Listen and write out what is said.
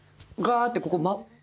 がってここ。